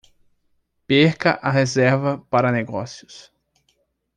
Perca a reserva para negócios